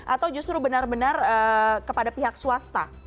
atau justru benar benar kepada pihak swasta